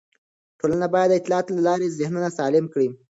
ټولنه باید د اطلاعاتو له لارې ذهنونه سالم کړي.